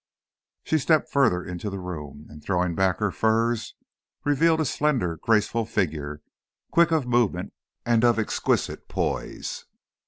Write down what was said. She stepped further into the room, and throwing back her furs revealed a slender graceful figure, quick of movement and of exquisite poise.